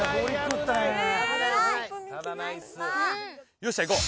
よっしゃいこう。